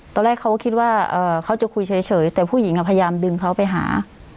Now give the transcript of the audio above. ตอนแรกเขาก็คิดว่าเขาจะคุยเฉยแต่ผู้หญิงพยายามดึงเขาไปหา